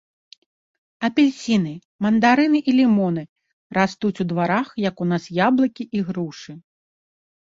Апельсіны, мандарыны і лімоны растуць у дварах, як у нас яблыкі і грушы.